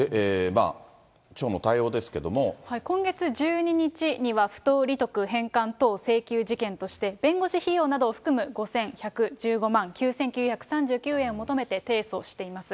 今月１２日には、不当利得返還等請求事件として、弁護士費用などを含む５１１５万９９３９円を求めて提訴しています。